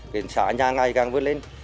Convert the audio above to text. cái xã nhà ngày càng vươn lên